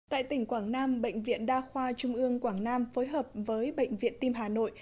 tại tỉnh quảng nam bệnh viện đa khoa trung ương quảng nam phối hợp với bệnh viện tim hà nội